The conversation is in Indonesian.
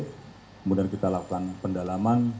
kemudian kita lakukan pendalaman